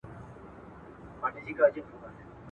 لکه نغمه لکه سيتار خبري ډيري ښې دي